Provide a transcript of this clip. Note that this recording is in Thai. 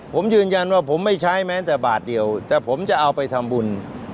ผมยืนยันว่าผมไม่ใช้แม้แต่บาทเดียวแต่ผมจะเอาไปทำบุญ